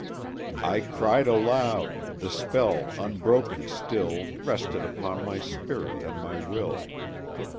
"I cried aloud!—the spell, unbroken still, Rested upon my spirit and my will.